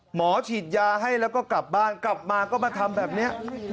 หมอฉีดยาให้แล้วก็กลับบ้านกลับมาก็มาทำแบบนี้